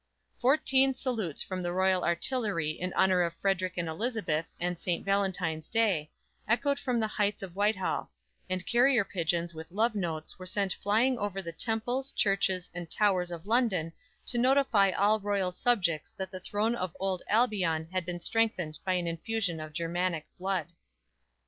Fourteen salutes from the royal artillery in honor of Frederick and Elizabeth and St. Valentine's Day, echoed from the heights of Whitehall, and carrier pigeons with love notes were sent flying over the temples, churches and towers of London to notify all loyal subjects that the throne of old Albion had been strengthened by an infusion of Germanic blood.